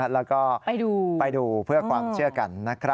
แล้วก็ไปดูค่ะไปดูเพื่อความเชื่อกัน